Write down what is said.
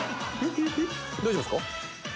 大丈夫ですか。